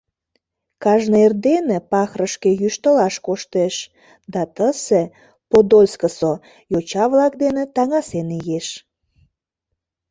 Кажне эрдене Пахрышке йӱштылаш коштеш да тысе, Подольскысо, йоча-влак дене таҥасен иеш.